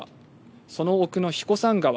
その奥の彦山川